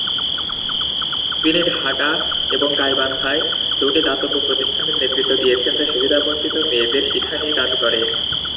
তিনি ঢাকা এবং গাইবান্ধায় দুটি দাতব্য প্রতিষ্ঠানের নেতৃত্ব দিয়েছেন, যা সুবিধাবঞ্চিত মেয়েদের শিক্ষা নিয়ে কাজ করে।